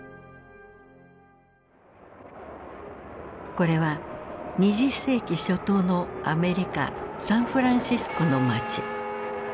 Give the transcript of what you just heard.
これは２０世紀初頭のアメリカサンフランシスコの街。